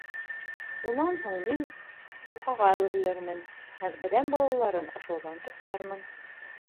Унан һуң мин юхаға әүерелермен һәм әҙәм балаларын ашауҙан туҡтармын.